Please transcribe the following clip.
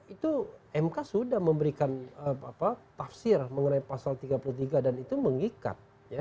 itu mk sudah memberikan tafsir mengenai pasal tiga puluh tiga dan itu mengikat